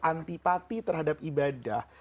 antipati terhadap ibadah